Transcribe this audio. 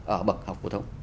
ở bậc học phổ thông